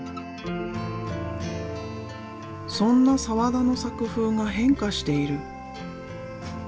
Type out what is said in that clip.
そんな澤田の作風が変化している。